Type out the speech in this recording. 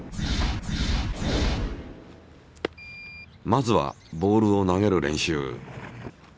まずはボールを投げる練習。